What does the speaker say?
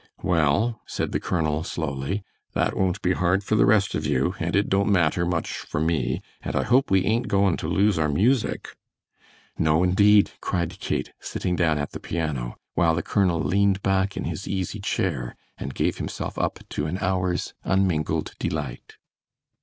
"Well," said the colonel, slowly, "that won't be hard for the rest of you, and it don't matter much for me, and I hope we ain't going to lose our music." "No, indeed!" cried Kate, sitting down at the piano, while the colonel leaned back in his easy chair and gave himself up to an hour's unmingled delight.